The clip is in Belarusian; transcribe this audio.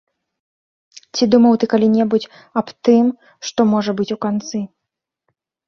Ці думаў ты калі-небудзь аб тым, што можа быць у канцы?